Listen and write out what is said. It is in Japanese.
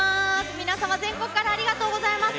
皆様、全国からありがとうございます。